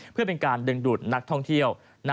เพื่อเป็นการดึงดูดนักท่องเที่ยว